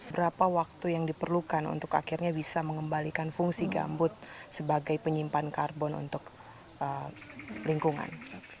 berapa waktu yang diperlukan untuk akhirnya bisa mengembalikan fungsi gambut sebagai penyimpan karbon untuk lingkungan